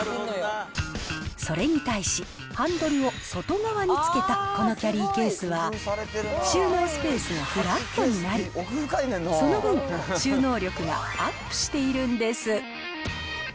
それに対し、ハンドルを外側につけた、このキャリーケースは、収納スペースがフラットになり、その分、収納力がアップしているんです。